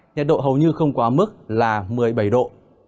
nhiệt độ hầu như không quá mức là một mươi bảy độ